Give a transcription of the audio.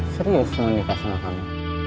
serius mau nikah sama kamu